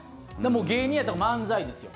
芸人やったら漫才ですよ。